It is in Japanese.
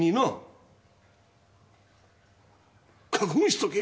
覚悟しとけ！